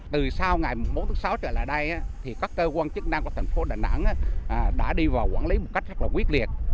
từ sau ngày bốn sáu trở lại đây các cơ quan chức năng của thành phố đà nẵng đã đi vào quản lý một cách rất quyết liệt